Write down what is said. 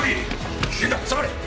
危険だ下がれ！